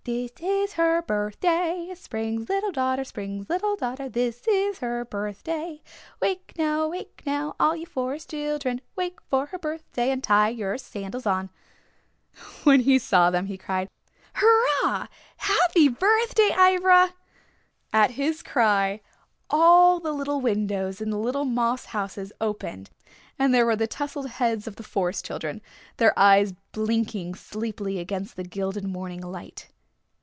This is her birthday, Spring's little daughter Spring's little daughter This is her birthday. Wake now, wake now, All you Forest Children, Wake for her birthday And tie your sandals on. When he saw them he cried, "Hurrah! Happy birthday, Ivra!" At his cry all the little windows in the little moss houses opened and there were the tousled heads of the Forest Children, their eyes blinking sleepily against the gilded morning light.